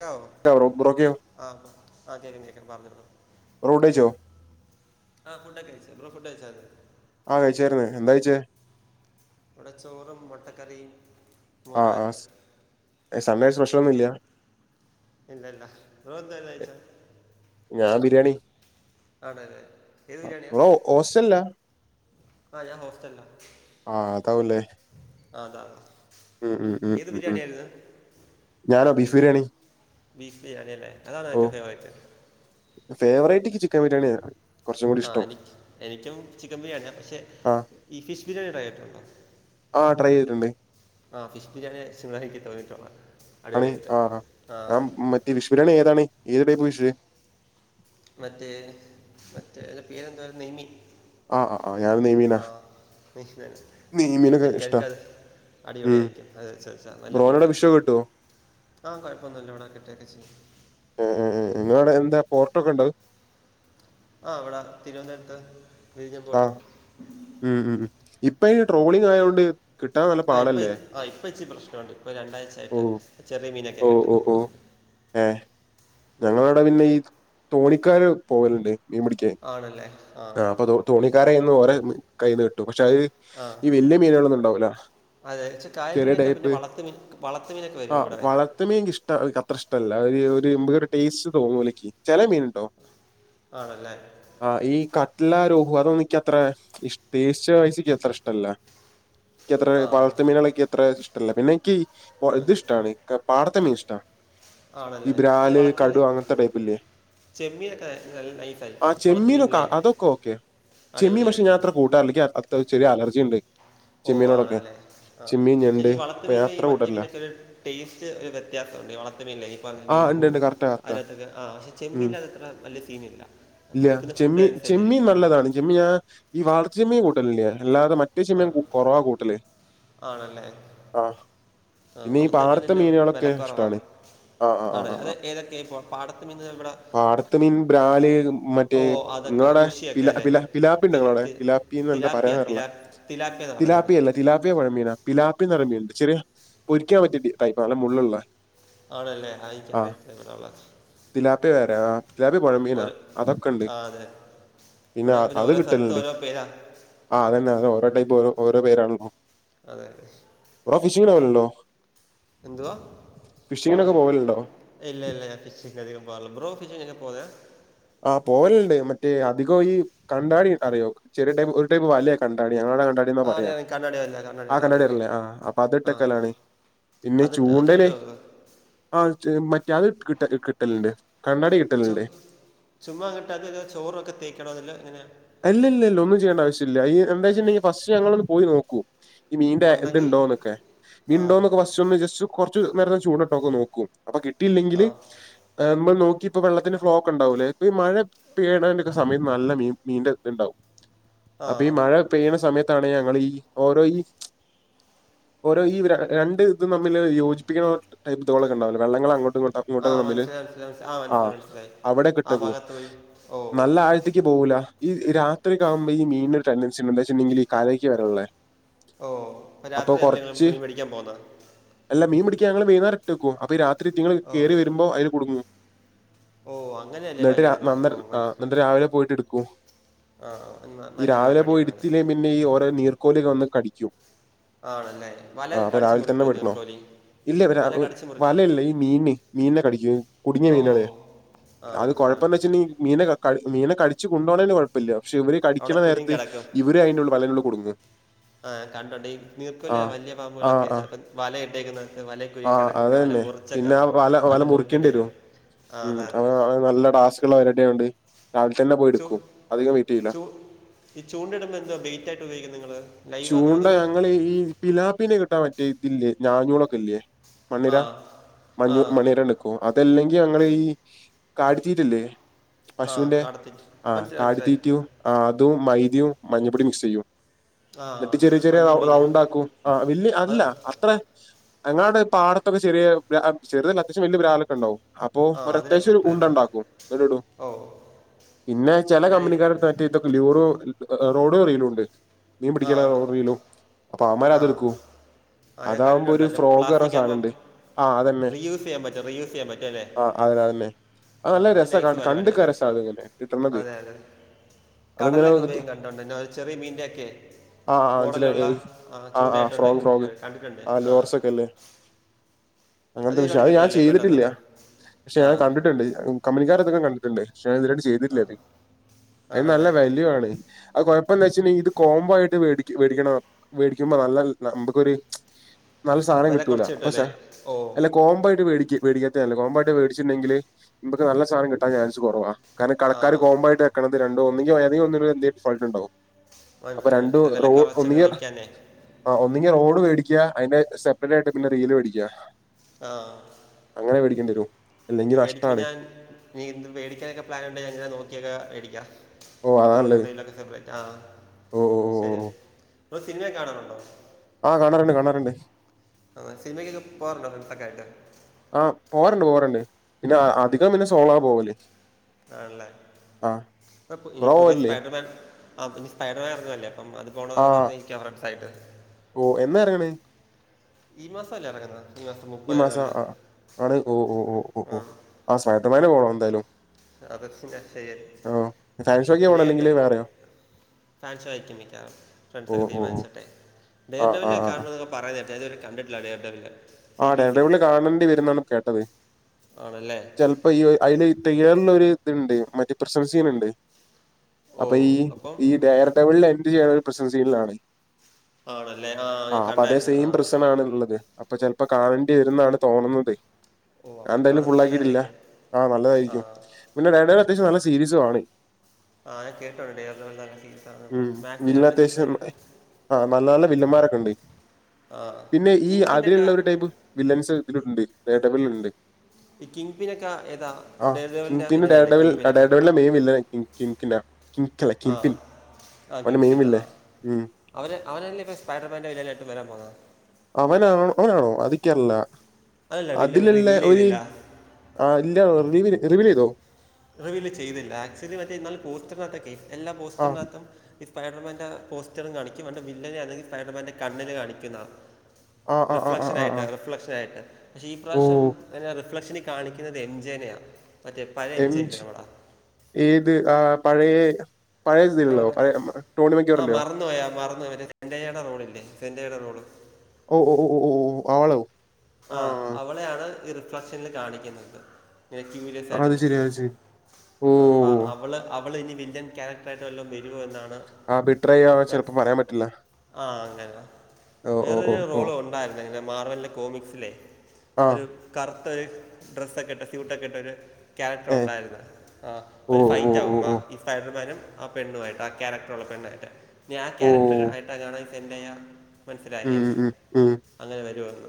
Hello bro ബ്രോക്കയോ ആഹ് ആഹ് കെക്ക്ണ്ട് കേക്ണ്ട് ‌ പറഞ്ഞോളീ കഴ്ച്ചോ ആഹ് ഫുഡ്ക്കെ കഴിച്ച് ബ്രോ ഫുഡ്‌ കഴിച്ചായ്രുന്നോ ആഹ് കഴിച്ചായ്ര്ന്ന് എന്താ കയ്ച്ചേ ഇവിടെ ചോറും മുട്ടക്കറിയും ആഹ് മോരുമായിരുന്നു ആഹ് സൺ‌ഡേ സ്പെഷ്യൽന്നും ഇല്ല. ഇല്ല ഇല്ല ബ്രോ എന്തല്ല കൈച്ചേ ഞാൻ ബിരിയാണി ആണല്ലേ ഏത് ബിരിയാണിയാ ബ്രോ ഹോസ്റ്റൽല്ലാ ആഹ് ഞാൻ ഹോസ്റ്റല്ലാ ആഹ് അതാവും ല്ലെ ആഹ് അതാ ഉം, ഏത് ഉം, ഉം. ബിരിയാണി ആയിരുന്ന് ഞാനോ ബീഫ് ബിരിയാണി ബീഫ് ബിരിയാണില്ലെ അതാണൊ എറ്റവും ഫേവറെറ്റ് ഫേവറേറ്റ്ക്ക് ചിക്കൻ ബിരിയാണിയാര്ന്ന് ആഹ് എനിക്ക് എനിക്കും ചിക്കൻ ബിരിയാണിയ പക്ഷെ ആ ഈ ഫിഷ് ബിരിയാണി ട്രൈ ആക്കിട്ടുണ്ടോ ആഹ് ട്രൈ ചെയ്തിട്ടുണ്ട് ആ ഫിഷ് ബിരിയാണി. [unintelligible] ആണ് ആഹ് ആ അഹ് മറ്റേ ഫിഷ് ബിരിയാണി ഏതാണ് ഏത് ടൈപ് ഫിഷ് മറ്റേ മറ്റേ അതിൻ്റെ പേരെന്തായിര്ന്ന് നെയ്മിൻ ആ ആ ആ, ഞാൻ നെയ്മീനാ ആഹ്. നെയ്മീനൊക്കെ ഇഷ്ടാ [unintelligible] [unintelligible] ഉം അടിപൊളിയായിരിക്കും അത് സ സ നല്ല ബ്രോനോടെ പീഫാ ഫിഷ് ഒക്കെ കിട്ടുമോ ആഹ് കൊഴപ്പൊന്നുല്ലാ ഇവിടെ കിട്ടും ക്കെ ചെയ്യും ഉം ഉം ഉം നിങ്ങളാവിടെ എന്താ പോർട്ട് ഒക്കെ ഉണ്ട് ആഹ് ഇവിടെ തിരുവനന്തപുരത്ത് വിഞ്ഞും ആ പോർട്ട് ഉം ഉം ഇപ്പ ഈ ട്രോളിങ് ആയോണ്ട് കിട്ടാൻ നല്ല ആഹ് ഇപ്പ ഇ പാടല്ലേ? ആഹ് ഇപ്പ ഇച്ചി പ്രശ്നമുണ്ട് ഇപ്പൊ ഓ രണ്ടാഴ്ചായിട്ട് ചെറിയ മീനൊക്കെ ഓ കിട്ടുന്നു കൂടുതലും ഏഹ് ഞങ്ങള അവിടെ പിന്നെ ഈ തോണിക്കാര് പോവലുണ്ട് മീൻ പിടിക്കാൻ ആണല്ലേ ആ ആഹ് അപ്പ തൊ തൊണിക്കാരൊ കയ്ന്ന് ഓരെ കയ്യ്ന്ന് കിട്ടു പക്ഷെ അത് ആ ഈ വലിയ മീനുകളൊന്നും ഉണ്ടാവൂല. അതെ പക്ഷെ ചെറിയ കായൽമീനൊക്കെ പിന്നെ ടൈപ്പ് വളർത്ത് മീൻ വളർത്ത് മീനൊക്കെ വരും ആഹ് ഇവിടെ വളർത്ത് മീൻ ക്ക് ഇഷ്ട അത്ര ഇഷ്ടല്ല ഒരു ഒരു നമുക്കൊരു ടെസ്റ്റ് തൊന്നുല്ലക്ക് ചേലെ മീൻ ട്ടോ ആണല്ലേ ആഹ് ഈ കട്ടലാരു അതോന്നുംക്ക്‌ത്ര ഈ ടെസ്റ്റ് വയ്സ്സിക്ക് അത്ര ഇഷ്ടല്ല എനിക്ക് അത്ര ആ വളർത്ത് മീനുകളെ അത്ര ഇഷ്ടല്ല പിന്നെ നിക്ക് ഉം. ഈ പാടത്തെ മീൻ ഇഷ്ടമാണ്.. ഈ ആണല്ലേ അല്ലെ ബ്രാല് വളർത്ത് മീൻ കടു അങ്ങനത്തെ ടൈപ്പ് ല്ലെ.. ചെമ്മീനൊക്കെ നല്ല നൈസ്സായ്രിക്കും വളർ ത്ത് ചെമ്മീനൊക്കെ മീനല്ലേ.. അതൊക്കെ ഓക്കെ ചെമ്മീൻ പക്ഷെ ഞാൻ അത്ര കൂട്ടാറില്ല അത്ര ചെറിയ അലർജി ഉണ്ട്.. ഓ ചെമ്മീനോടൊക്കെ ആണല്ലേ ആ ചെമ്മീൻ ഞണ്ട് ശെരിക്ക് ഈ വളർത്ത് ഇപ്പൊ ഞാൻ മീൻ ഈ അത്ര മറ്റ കൂട്ടറില്ല മീനൊക്കെ ഒരു ടേസ്റ്റ് ഒരു വ്യത്യാസംമുണ്ട് വളർ.. മില്ല ഇപ്പൊ ആ ഉണ്ട് ലോഹു ഉണ്ട് കറക്റ്റാ കറക്റ്റാ അതിനകത്തൊക്കെ ആ പക്ഷെ ഉം ചെമ്മീനിൽ അതത്ര വലിയ സീനില്ലാ.. ഇല്ല ചെമ്മീ ചെമ്മീ നല്ലതാണ് ചെമ്മി ഞാൻ ഈ വാളർത്ത ചെമ്മീൻ കൂട്ടലില്ലാ അല്ലാതെ മറ്റ.. മറ്റേ ചെമ്മീൻ ആണ് കെറവാ കുട്ടാല് ആണല്ലേ അ.. ആ പിന്നെ ഈ വളർത്തു പാടത്തെ മീനിൻ്റെ മീനുകളൊക്കെ വിലക്കുറവാ ഇഷ്ടാണ് ആ ആ് ആ് ആണല്ലേ അത് ആ ഏതൊക്കെ ഇപ്പോൾ പാടത്ത് മീൻ ഇവിടെ പാടത്ത് മീൻ ബ്രാല് ഓ മറ്റേ അതൊക്കെ നിങ്ങളുടെ മുഷിയൊക്കെ അല്ലേ പിലാപ്പി ഉണ്ട് തില നിങ്ങളടെ തി- പിലാപ്പിന്ന് എന്താ തിലാപ്പിയ പറയാൻറില്ല തിലാ തിലാപ്പിയ എന്ന് പറയുന്നത് പിലാപ്പി ഇവിടെ അല്ലേ പിലാപ്പി പൊയ മീനാ പിലാപ്പി നിറ മീൻണ്ട് ചെറിയ പൊരിക്കാൻ പറ്റിയ ടപ്പ് ആണ്ല്ല മുള്ളുള്ള അതെ അതെ എനിക്കറിയത്തില്ല പിലാപ്പി വരാ ആ വേറപുഴമീനാ ഓരോ അതൊക്കെ ഉണ്ട് ആ അതെ പിന്നെ ഇവിടെ അത് ഓരോ സ്ഥലത്ത് കിട്ടലുണ്ട് ഓരോ പേരാ ആ അതന്നെ അത ഓരോ ടൈപ്പ് ഓ ഓരോ പേരാണോ.. അതെ ഓന്ഫിഷിനാണല്ലോ എന്തുവാ ഫിഷിങ്ങിനൊക്കെ പോവലുണ്ടോ ഇല്ല ഇല്ല ഞൻ ഫിഷിഅികംടില്ല ബ്രോ ഫിഷ്ങ്ങക്ക് പോകെ ആ പോവലുണ്ട് മറ്റേ അധികം കണ്ടാടി അറിയോ ചെറിയടൈപ്പ് ഒരു ടപ്പ് വലിയ കണ്ടാടി അങ്ങടെ കണ്ടാടി ആ പറയാ അറിയാം അറിയാം. കണ്ണാടി വല്ല കണ്ണാടി ആ വല്ല അറിയാം അറിയാം കന്നടിരല്ലേ ആ് അപ്പൊ ആ അത്ട്ടക്കലാണ് പിന്നെ അത് ട്ട- അത് ചൂണ്ടല്ലേ കിട്ടുമോ ബ്രോ ആ മറ്റാതെ കിട്ട കിട്ടലുണ്ട് കണ്ണാടി ചോ കിട്ടലുണ്ട് ചുമ്മാങ്ങിട്ട് അതില്ല ചോറുക്കെ തേക്കണം അല്ല എങ്ങനെയാ അല്ല ഇല്ല ഇല്ല ഒന്നും ചെയേണ്ടവശ്യമില്ല ഈ എന്താ ങ്കിൽ ഫസ്റ്റ് ഞങ്ങളൾ ഒന്ന് പോയി നോക്കൂ ഈ മീന്റെ ഉണ്ടെങ്കിൽ ഇതുണ്ടോന്നൊക്കെ മീൻ ആ ഉണ്ടോന്നൊക്കെ? ജസ്റ്റ് കുറച്ച് നേരത്തെ ചൂട്ട്ടോൊക്കെ നോക്കും അപ്പൊ ആ കിട്ടിയില്ലെങ്കില് നമ്മ നോക്കിപ്പോ വെള്ളത്തിന്റെ ഫേക്ക് ഉണ്ടാവൂല്ലേ ഇപ്പോ ഈ മഴ പെയ്യണ സമയം നല്ല മീൻ നീണ്ട ഇ ഉണ്ടാവും ആ അപ്പൊ ഈ മഴ പെയ്യണ സമയത്താണ് ഞങ്ങൾ ഈ ഓരോ ഈ ഓരോ ഈ രണ്ട് ഇതും തമ്മിൽ യോജിപ്പിക്കുന്ന ടൈപ്പ്ക്കെ തോളിൽഉണ്ടാവോ വെള്ളങ്ങൾ അങ്ങട്ടും ഇങ്ങോട്ട ആ ഇങ്ങോട്ടക്കെ തമ്മില് മനസ്സിലായി മനസ്സിലായി മനസ്സിലായി ആ മനസ്സിലായി മനസ്സിലായി അവിടെ ആ കിട്ടക്ക ഭാഗത്ത് പോയി ഓ നല്ല ആഴ്ത്തേക്ക് പോകൂല ഈ രാത്രി ആവുമ്പോ ഈ മീന്റെ ടെൻസി വെച്ചിണ്ടെങ്കിൽ കലയ്ക്ക് വരുള്ളേ ഓ രത്രി ഞങ്ങൾ മേടിക്കാൻ പോവുന്നത് അല്ല മീൻ പിടിക്കാ ഞങ്ങള് വൈന്നേരം ഇട്ടക്കും അപ്പ ഈ രാത്രി നിങ്ങള് ഓ കയറി വരുമ്പോ അയില് കുടുങ്ങും ഓ അങ്ങനെയല്ലേ എന്നിട്ട് രാ വലയിടുന്ന നന്നര ഓ ആ മനസിലായി എന്നിട്ട് രാവിലെ പോയിട്ട് എടുക്കും ആ ഈ നല്ലൊരു രാവിലെ പോയി പരിപാടിയാണത് എടുത്തില്ലേ പിന്നെ ഈ ഓരോ നീർക്കോലി വന്ന് കടിക്കും ആണല്ലേ ആ വല അപ്പൊ കടിച്ചു രാവിലെ തന്നെ മുറിക്കു എടുക്കണോ നീർക്കോലി ഇല്ല വല കടിച്ചു മുറിക്കോ വലയില്ല ഈ മീന് മീനിനെ കടിക്കു കുടുങ്ങിയ ഓ മീനുകളള ആ അത് മനസ്സിലായി കൊഴപ്പംന്ന് മനസ്സിലായി വെച്ചിട്ടണ്ടെങ്ക മീന മീനെടിച്ചച്ച് കൊണ്ടുോണേലും കൊഴപ്പമില്ലോ പക്ഷെ ഇവര് അവിടെ കടിക്കണ കുരുങ്ങി നേരത്ത് കിടക്കും ഇവര് അന്റെുള്ള വലകളിൽ കുടുകുന്നത് ആ കണ്ടുണ്ട് ഈ നീർക്കൊല്ല വലിയ ആ പാമ്പുകളൊക്കെയ ആ ചിലപ്പോം വല ഇട്ടേക്കുന്നത് വല ആ കുരുങ്ങി കിടക്കുമ വല അതന്നെ മുറിച്ചൊക്കെ പിന്നെ ആ വല മുറിക്കേണ്ട് മുറിക്കേണ്ടി വരും ആ ഉം അതെ അവ അതെ നല്ല ടാസ്ക് അവരുടെുണ്ട് രാവിലെ തന്നെ പോയി എടുക്കും അധികം വെയിറ്റ് ചെയ്യില്ല ചുണ്ട ഇടുമ്പോ എന്ത വെയിറ്റ് ഉപയിക്കുന്നത് നിങ്ങങ്ങള് ചൂണ്ട ഞങ്ങള് ഈ പിലാപ്പീനെ കിട്ടാൻ പറ്റേ ഇതില്ലേ ഞാഞ്ഞൂളൊക്കെ ഇല്ലേ ആ മണ്ണിര ആ മഞ്ഞു മണ്ണിര നിക്കോ അതല്ലെങ്കി ഞങ്ങ ഈ കാൽത്തീറ്റല്ലേ ആ പശുവിന്റെ കാടത്തിട്ട് ആ മനസ്സിലായി മനസ്സിലായി കാടിത്തീറ്റയും അതും മൈദയും മഞ്ഞപ്പൊടിയും മിക്സ് ചെയ്യും ആ എന്നിട്ട് അത് ചെറിയ ചെറിയ വലിയ മീൻ റൗണ്ട് ആാക്കും ആ അല്ല അത് അത്ര ഞങ്ങളുടെ പാടത്തൊക്കെ ചെറിയ ചെറിയതല്ല അത്യാവശ്യം വലിയ ബിലാൽ ഒക്കെ ഉണ്ടാവും അപ്പൊ ആ അതിനെ ഒരത്യാവശ്യം ഒരു ഉണ്ട കിട്ടല്ലേ ഉണ്ടാക്കും എന്നടൂ ഓ പിന്നെ ചില നൈസ് കമ്പനികാരത്ത് മ ഇതൊ ലൂറോ റോഡോ റയിലുംണ്ട് മീൻ ആ പിടിക്കാന റോഡ്റയിലും അപ്പൊ ആ അവമാര്അത്എടുക്കും ആ ഞാൻ അതകുമ്പോ കണ്ടിട്ടുണ്ട് ഒരു അത് ഫ്രോഗ് പറഞ്ഞ പ്ലാസ്റ്റിക് സാധനം ആകുമ്പം ഇണ്ട്. ആ അതന്നെ റീയൂസ് ചെയ്യാൻ പറ്റും റീയൂസ് ചെയ്യാൻ പറ്റും അല്ലേ ആ അതന്നെ ആ നല്ല അത് രസ നൈസ് കണ്ട് നിൽക്കാൻ പരിപാടിയാണ് രസ കിട്ടുന്നത്. അതെ അതെങ്ങനെ ? [unintelligible] അത് ചെറിയ മീൻന്റെ ഒക്കെ ആആ അ മോഡലുള്ള ആ ആ ചൂണ്ടയായിട്ട് ഫ്രോഗ ഫ്ര ഉണ്ടാക്കിക്കൊണ്ടിരിക്കുക കണ്ടിട്ടുണ്ട് ആ ലോർസ് ഒക്കെ ഇല്ലേ? അങ്ങനത്തെ വിഷം ഒരുപാട് അത് ഞാൻ കിട്ടുമല്ലേ പെട്ടെന്ന് ചെയ്തിട്ടില്ല പക്ഷെ ആ ഞാൻ കണ്ടിട്ടുണ്ട്. കമ്പനിക്കർതൊക്കെ കണ്ടിട്ടുണ്ട്. പക്ഷേ ഞൻ ഇതിയിട്ട് ആ ചെയ്തിട്ടല്ലായിരുന്നു അത് നല്ല ആണല്ലേ വാല്യു ആണ്. അത് കുഴപ്പന്താ വെച്ചുണ്ടെങ്കിൽ ഇത് കോംബോ ആയിട്ട് വേടിക്കണം വേടിക്കുമ്പോ നല്ല നമുക്കൊരു നല്ല സാധനം വില കിട്ടൂല കുറച്ച് കിട്ടുമല്ലേ പക്ഷേ ഓ അല്ല കോമ്പ ആയിട്ട് വേടിക്കത്തല്ല കോമ്പ ആയിട്ട് ച്ചിട്ടണ്ടെങ്കില് നമുക്ക് നല്ല സാധം കിട്ടാൻ ചൻസ് കുറവാ. കാരണം ആ കടക്കാര് കോമ്പോ ആയിട്ട് വെക്കണത് രണ്ടോ ഒന്നിങ്കിൽ വയറിങ്ങ് ഫോൾട്ട്ണ്ടാവു. അപ്പൊ മനസ്സിലായി രണ്ടും മനസ്സിലായി വില റോ ഒന്നി കുറച്ചൊക്കെ വയ്ക്കാനേ ആ ഒന്നിങ്കി റോഡ് മേടിക്ക അതിന്റെ സെപ്പറേറ്റ് ആയിട്ട് പിന്നെ റിയിൽ മേടിക്കുക. ആഹ അങ്ങനെ മേടിക്കണ്ടിരും. നീ മേടിക്കുമ്പോൾ ഞാൻ നിന്ത് മേടിക്കാനൊക്കെ പ്ലാൻ ഉണ്ടങ്ങനെ നോക്കിയൊക്കെ മേടിക്കാം. ഓ അതാണല്ലത് റോഡ്ണ്ടങ്കിലൊക്കെ സെപ്പറേറ്റ് ആ ഓ ഓ ഓ ശരി ഓ നിങ്ങൾ സിനിമ കാണാനുണ്ടോ? ആ കാണറുണ്ട് കാണാറുണ്ട്. ആ സിനിമയ്ക്കൊക്കെ പോവറുണ്ടോ? ഫ്രൻസക്കായിട്ട്. ആ പോവാറുണ്ട്, പോവറുണ്ട് പിന്നെ ആ അധികം പിന്നെ സോളാ പോവലേ. ആണല്ലേ. ഇനി ബ്രോ പുതിയ പോവലില്ലേ സ്പൈഡർമാൻ ആ ഇ സ്പൈഡർമാൻ ഇറങ്ങല്ലേ അപ്പം അത് പോണം ആ എന്നൊക്കെ പറഞ്ഞരിക്ക ഫ്രൻസായിട്ട്. ഓ എന്നാ ഇറങ്ങണ് ഈ മാസല്ലേ നടക്കുന്നത്. ഈ മാസം ആ ആണ് ഓ ഓ ഓ ആ ഓ ആ സൈപഡർമന് പോണം എന്തായാലും. അതത്തി ശ ഓഹ് ഫാൻ ഷോയ്ക്കാണോ വേണ്ട് അല്ലെങ്കില് വേറെയോ? ഫാൻസ് വായിക്കും മിക്കാറ് ഫ്രണ്ട്സൊക്കെ ഓഹ് ഓഹ് തീരുമാനിച്ചട്ടെ ബേർ ഓഹ് ഡവൽ ആഹ് ആഹ് കാണ ആഹ് പറയ അത് കണ്ടിട്ടില്ല അളിയാ ആ ഡടവിളി കാണേണ്ടി വരുന്നാണ് കേട്ടത് ആണല്ലേ ചില അപ്പൊ അതില് തയ്യറുള്ള ഒരു ഇത്ണ്ട് മറ്റേ പ്രസൻസീന ഉണ്ട്. ഓ അപ്പൊ ഈ അപ്പം ഈ ഡയർ ഡബളിൽ എന്റ് ചെയ്യണ ഒരു പ്രസ് സീനിലാണ്. ആണല്ലേ ആ ഞാൻ അപ്പൊ അതെ കണ്ടായിരുന്നു ആ സെയിം പ്രശ്നം ആണ് ഉള്ളത്. ഇപ്പൊ ചിലപ്പോ കാണേണ്ടി വരുന്നാണ് തോന്നുന്നത്. ഓ അപ്പം എന്തായാലും ഫുൾ കാണുന്നത് ആക്കിയിട്ടില്ല. നല്ലതായിരിക്കും ആഹ് ആ നല്ലതായിരിക്കും പിന്നെ രണ്ടും അത്യാവശ്യം നല്ല സീരീസും ആണ്. ആ ഞാൻ കേട്ടുണ്ട്. ഡേവലെ നല്ല സീസ ആണ്. അപ്പം മാക് രണ്ട് സീസണനിലും. ആ നല്ല നല്ല വില്ലന്മാരൊക്കെ ഉണ്ട്. ആ പിന്നെ ഈ കിങ് പിന്നൊക്കെ അതിലുള്ളവരു വില്ലൻസ് ഇതിലുണ്ട്. നേട്ടബ ഉണ്ട്. ഈ കിങ് പിന്നൊക്കെ ഏതാ ആ ഡേ ഓഫ് ലെവലിൻ്റെ കിങ്പിന്റെ ഡഡ ഇല്ലല്ലേ കിങ് പിന്നൊക്കെ ഡഡബിൻ്റെ മെയിൻ വില്ലന്. ഇം കിൻക്കിന ആ ആ മെയിൻ കിംകിനാ വില്ലൻ ഉം അവര് അവനല്ലേ ഇപ്പോൾ സ്പൈഡർമാൻ ആയിട്ടും വരാൻ പോകുന്നത്. അവനാണോ അവനാണോ അതെനിക്കറില്ല അതല്ല വില്ലൻ അതിലുള്ള റിവീൽ ഒരു ചെയ്തില്ല ആ ഇല്ല റിവ റിവ്യൂ ചെയ്തോ?. റിവീല് ചെയ്തില്ല. ആക്ച്വലി മറ്റേ പോസ്റ്ററിനകത്തും, എല്ലാ ആഹ് പോസ്റ്ററിനകത്തും ഈ സ്പൈഡർമാൻ്റെ പോസ്റ്ററും കാണിക്കും. എൻ്റെ വില്ലനെ അല്ലെങ്കിൽ സ്പൈഡർമാൻ്റെ കണ്ണിൽ കാണിക്കുന്ന ആഹ് ആഹ് ആഹ് റിഫ്ലക്ഷൻ ആഹ് ആഹ് ആയിട്ട്, ആഹ് റിഫ്ലക്ഷൻ ആയിട്ട്. പക്ഷെ ഈ ഓ പ്രാവശ്യം റിഫ്ലക്ഷനി കാണിക്കുന്നത് എം ജേനയാണ്. എം ജ് ഏത് ആ പഴയ പഴയ ആട ഇതിലുള്ളോ പഴയ ഉം, ടോണി ആ മക്യോറിന്റെയോ മറന്നു പോയി. മറന്നു പോയി സെൻ്റയൻ്റെ. റോളല്ലേ തറയുടെ റോള് ഓ ഓ ഓ ഓ ആളോ ആഹ് അവളയാണ് ഈ റിഫ്ലക്ഷനിൽ കാണിക്കുന്നത്. [unintelligible] ക്യൂരിയസ് ആയിട്ട് അത് ശരി അത് നിൽക്കുന്നത് ശരി ഓ ആഹ് ഓ, അപ്പ ഓ. അവള് അവൾനി വില്ലൻ ക്യാരട്ടർ ആയിട്ട് വരുവോ എന്നാണ് ആ ബിട്രൈ ആ [unintelligible] ചെലപ്പോ പറയാൻ പറ്റില്ല ആഹ് അങ്ങന ഓ ഓ ഓ വേറൊരു ഓ റോള് ഉണ്ടായിരുന്നു മാർവലന്റെ കോമിക്സിലെ ആഹ് ഒരു കറുത്തരു ഡ്രസ്സൊക്കെ ഇട്ട് സ്യൂട്ടൊക്കെ ഇട്ട് ഒരു ക്യാരക്ടർ ഏഹ് ഉണ്ടായിരുന്നു ഓ ഒരു ഓ ഫൈറ്റ് ഓ ഓ ഈ സ്പൈഡർമാനും ആഹ് പെണ്ണുമായിട്ട് ആ ഹ്ക്യാരക്ടറ ഉള്ള പെണ്ണായിട്ട് ഞാൻ ആഹ് ഓ ക്യരക്ടർ ആയിട്ടാ കാണാ എന്തായ ഉം മനസ്സിലായേൽ ഉം ഉം ഉം അങ്ങനെ വരുമെന്ന്.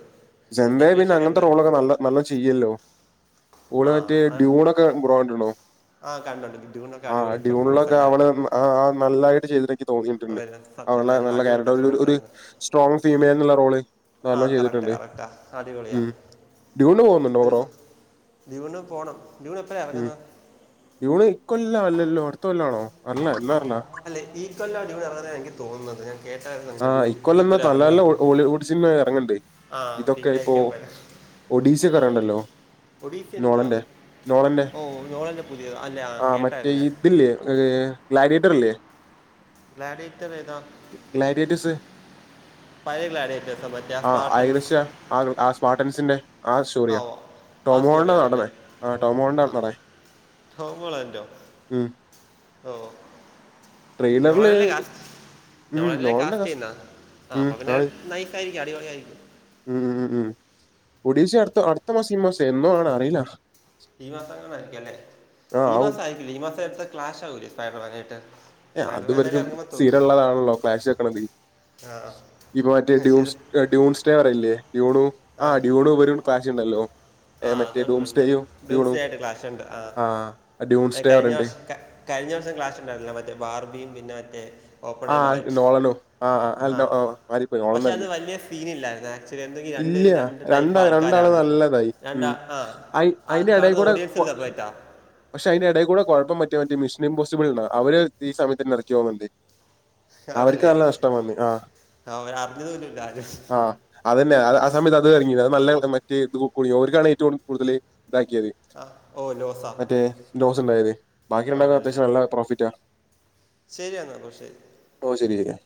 സെന്തയ പിന്നെ സ്പെക്കുലേഷൻ ഒക്കെ അങ്ങനത്തെ ഉണ്ട് റോളൊക്കെ നല്ല നല്ല ചെയ്യല്ലോ ഓള് ആ മറ്റേ ആ- ഡ്യൂണൊക്കെ ബ്രോ കണ്ട്ണോ ആ കണ്ടുണ്ട് ഡ്യൂണൊക്കെ ആഹ് അടിപൊളി പെർഫോമൻസ് ഡ്യൂണിലൊക്കെ അവള് അല്ലായിരുന്നു ആഹ് ആഹ് നല്ലായിട്ട് ചെയ്തി തോന്നിയിട്ടുണ്ട് അവര് സത്യം അവളെ നല്ല അടിപൊളി പെർഫോമൻസ് [unintelligible] ആയിരുന്നു സ്ട്രോങ് ഫീമെൽ എന്നുള്ള റോള് ആ നല്ലോണം കറക്റ്റാ ചെയ്തിട്ടുണ്ട് കറക്റ്റാ അടിപൊളിയാ ഉം ഡ്യൂണ് പോകുന്നുണ്ടോ ബ്രോ? [unintelligible] ജൂണിൽ പോണം ജൂൺ എപ്പോഴണ് ഇറങ്ങുന്നത് ജൂൺ ഇക്കൊല്ലം അല്ലല്ലോ അടുത്ത കെല്ലാണോ അല്ല എല്ലാ അല്ല അല്ലേ ഈ കെല്ല [unintelligible] [unintelligible] എനിക്ക് തോന്നുന്നത് കേട്ടായിരുന്നുടി ആഹ് ഈ ഇക്കൊല്ലം എന്നാ കൊല്ലം നല്ല ഇറങ്ങുന്നു നല്ല ഹോളിവുഡ് സിനിമ എറങ്ങണ്ട്. ആഹ് ഒഡീഷ കറണ്ടല്ലോ ഒഡീസി എന്തുവാ ഓ നോളല്ലേ പുതിയ അല്ലെ ആഹ് കേട്ടായിരുന്നു ഞാൻ ഇതില്ലേ ഗ്ലാഡിയേറ്റർ ഇല്ലേ ഗ്ലാഡറ്റർ ഏതാ ഗ്ലാഡിയേറ്റേഴ്സ് പഴെ ഗ്ലാഡേറ്റർസ് മറ്റോ സ്പാർട്ടൻസ് ആഹ് ആഹ് സ്മാർട്ടൻസിന്റെ ആഹ് സ്റ്റോറി ആ ഓ ആ ടോമോളന്റെ സ്റ്റോറിയാണ് അല്ലേ നടനേ ആഹ് ടോമോളന്റെ ആ നടേ ടോം ഹോളൻ്റോ ഓഹ് ട്രെയിലറില് ഉം നോളിലെ നോളിന്റെ കാസ്റ്റ് കസ് ചെയ്യുന്നാ ആഹ് ഉം അപ്പൊ പിന്നെ ആണ് നൈസായിയിരിക്കും അടിപൊളിയ ആയിരിക്കും ഉം ഉം ഉം ഒടീസ അടുത്ത അടുത്ത മാസ ഈ മാസം എന്നോ ആണ അറിയില്ല ഈ മാസം അങ്ങനെ ആയിരിക്കും അല്ലേ ആ ഈ ആവും മാസം ആയിരിക്കില്ലേ ഈ മാസം എടുത്ത ക്ലാഷ് ആകൂല സ്പൈഡൻമാർ ആയിട്ട് ഏഹ് അത് ഇവർക്കും സ്ഥീര ഉള്ളതാണല്ലോ ക്ലാഷ് വെക്കണത് ആ ഇപ്പ മറ്റേ പക്ഷേ ഇത് ഡ്യൂസ് ഡ്യൂൺസ്റ്റെവറ അല്ലേ ഡ്യൂണു ആഹ് [unintelligible] ഉണ്ടല്ലോ ഏ ആഹ് മറ്റേ അത്ണ്ട് ഡൂംസ് ഉണ്ട് ഡേയും ഡ്യൂണും ദിവസായിട്ട് ക്ലാഷുണ്ട് ആ ഡ്യൂൺസ് ആഹ് ഡേ കഴിഞ്ഞ പറയുന്നുണ്ട് വർഷം ഒക്കെ കഴിഞ്ഞ വർഷം ക്ലാസ് ഉണ്ടായിരുന്നില്ലേ മറ്റേ ബാർബിയും പിന്നെ മറ്റേ ഓപ്പൺ ആ [unintelligible] നോളനോ ആ ആ, അല്ല ആഹ് നോ- ആ, മാറിപ്പോയി നോളൻ പക്ഷെ അത് തന്നെ വലിയ സീനല്ലായിരുന്നു [unintelligible] ഇല്ല രണ്ടുപേരും രണ്ട് ടൈപ്പ് രണ്ടാ രണ്ടാള് ആൾക്കാരാണ് നല്ലതായി [unintelligible] ഉം ആഹ് അയി ആഹ് അയിന്റെ എടേ കാണുന്ന കൂടെ ഓഡിയൻസി കൊ [unintelligible] പക്ഷെ അതിന്റെ ഇടെകൂടെ കുഴപ്പം പറ്റി മറ്റോ മിഷൻ ഇമ്പോസിബിൾ ആണ് അവര് ഈ സയത്ത് നിറക്കു പോവാ മതി അവർക്ക് ആണല്ലേ നല്ല നഷ്ടം വന്നി ആഹ് ആ, അവരറിഞ്ഞതുപോലും ഇല്ല ആരും ആഹ് അതന്നെ അത് ആഹ് സമയത്ത് അത് ഇറങ്ങി അത് നല്ല മറ്റേ ഓർക്കാണ് ഏറ്റവും കൂടുതൽ ഇതാക്കിയത് ആ ഓ ലോസാ മറ്റേ ലോസ് ഉണ്ടായത് ബാക്കിണ്ടാക്ക ആണല്ലേ അത്യാവശ്യം നല്ല പ്രോഫിറ്റാ [inaudible] ശരി എന്നാൽ [unintelligible] ഓ ശരി എന്നാൽ